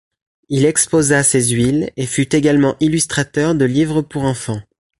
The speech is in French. Il exposa ses huiles et fut également illustrateur de livres pour enfants.